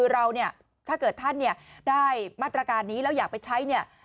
เราเนี่ยถ้าเกิดท่านได้มาตรการนี้เราอยากไปใช้เนีย